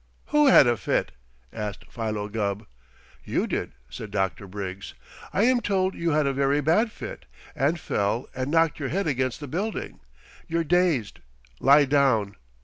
"Who had a fit?" asked Philo Gubb. "You did," said Dr. Briggs. "I am told you had a very bad fit, and fell and knocked your head against the building. You're dazed. Lie down!"